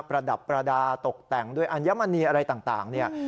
ระดับประดาษตกแต่งด้วยอัญมณีอะไรต่างเนี่ย